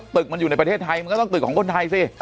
ตึกมันอยู่ในประเทศไทยมันก็ต้องตึกของคนไทยสิ